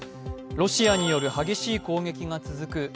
ロシアによる激しい攻撃が続く